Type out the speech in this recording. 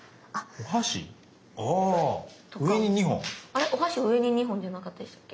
お箸上に２本じゃなかったでしたっけ？